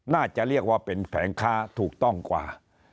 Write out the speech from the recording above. น่าจะเรียกว่าเป็นแผงค้าถูกต้องกว่า